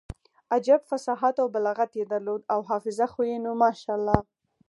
عجب فصاحت او بلاغت يې درلود او حافظه خو يې نو ماشاالله.